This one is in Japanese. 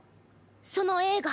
その映画。